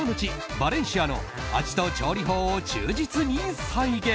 バレンシアの味と調理法を忠実に再現！